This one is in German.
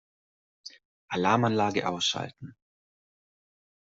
Alarmanlage ausschalten.